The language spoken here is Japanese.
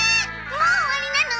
もう終わりなの？